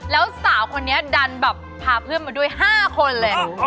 แล้วสาวคนนี้ดันแบบพาเพื่อนมาด้วย๕คนเลย